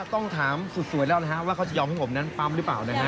ต้องถามสุดสวยแล้วนะฮะว่าเขาจะยอมให้ผมนั้นปั๊มหรือเปล่านะฮะ